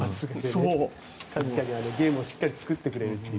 確かにゲームをしっかり作ってくれるという。